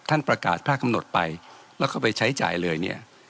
ท่านประกาศภาคกำหนดไปแล้วก็ไปใช้จ่ายเลยเนี่ย